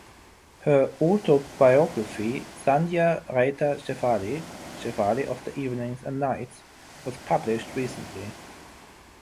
Her autobiography "Sandhya Rater Shefali" (Shefali of the Evenings and Nights) was published recently.